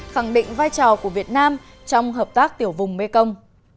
khẳng định vai trò của việt nam trong hợp tác tiểu vùng mekong